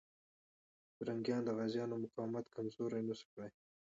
پرنګیان د غازيانو مقاومت کمزوری نسو کړای.